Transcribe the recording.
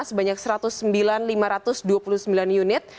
sebanyak satu ratus sembilan lima ratus dua puluh sembilan unit